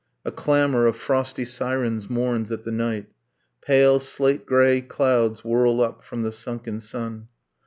A clamor of frosty sirens mourns at the night. Pale slate grey clouds whirl up from the sunken sun.